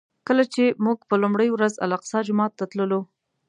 کله چې موږ په لومړي ورځ الاقصی جومات ته تللو.